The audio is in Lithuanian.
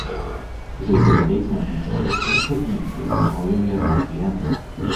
Žaidimo veiksmas vyksta iškart po įvykių antrojoje dalyje.